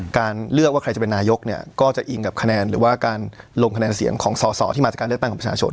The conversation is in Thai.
การเลือกว่าใครจะเป็นนายกเนี่ยก็จะอิงกับคะแนนหรือว่าการลงคะแนนเสียงของสอสอที่มาจากการเลือกตั้งของประชาชน